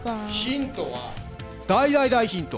ヒントは大大大ヒント！